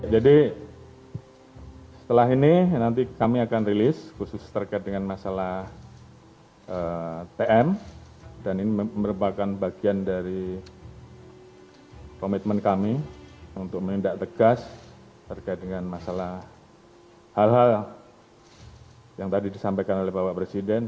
jadi setelah ini nanti kami akan rilis khusus terkait dengan masalah tm dan ini merupakan bagian dari komitmen kami untuk menindak tegas terkait dengan masalah hal hal yang tadi disampaikan oleh bapak presiden